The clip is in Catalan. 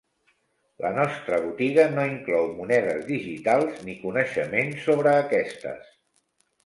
La nostra botiga no inclou monedes digitals ni coneixement sobre aquestes.